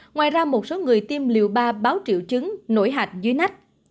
ngoài ra một số người tiêm liều ba báo triệu chứng nổi hạch dưới nách